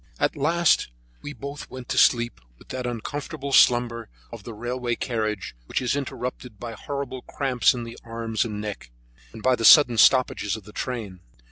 At last we both went to sleep with that uncomfortable slumber of the railway carriage, which is interrupted by horrible cramps in the arms and neck, and by the sudden stoppages of the train.